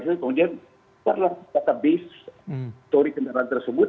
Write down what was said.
kemudian kita lakukan database story kendaraan tersebut